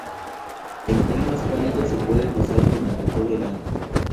En climas cálidos se pueden usar durante todo el año.